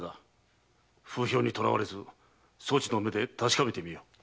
風評にとらわれずそちの目で確かめてみよ。